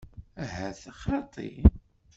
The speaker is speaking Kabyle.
Ahat xaṭi.